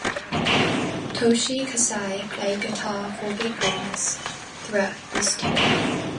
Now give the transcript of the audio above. Toshi Kasai played guitar for Big Business throughout this tour.